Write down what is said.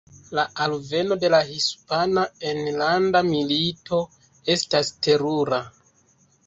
La alveno de la Hispana Enlanda Milito estas terura.